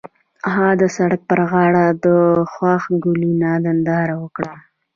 هغوی د سړک پر غاړه د خوښ ګلونه ننداره وکړه.